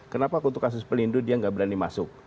kenapa untuk kasus pelindung dia nggak berani masuk